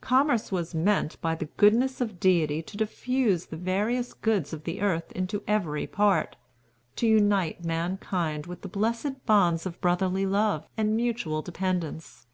Commerce was meant by the goodness of Deity to diffuse the various goods of the earth into every part; to unite mankind with the blessed bonds of brotherly love and mutual dependence.